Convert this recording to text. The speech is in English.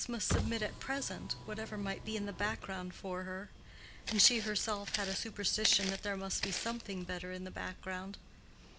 must submit at present, whatever might be in the background for her? and she herself had a superstition that there must be something better in the background.